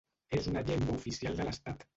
És una llengua oficial de l'Estat.